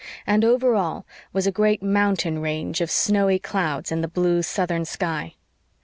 And, over all, was a great mountain range of snowy clouds in the blue southern sky.